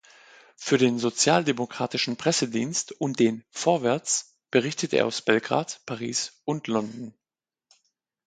Für den „Sozialdemokratischen Pressedienst“ und den Vorwärts berichtete er aus Belgrad, Paris und London.